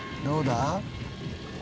どうだ？